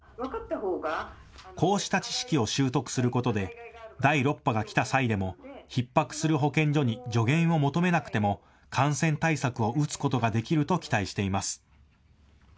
こうした知識を習得することで第６波が来た際でもひっ迫する保健所に助言を求めなくても感染対策を打つことができると期待しています。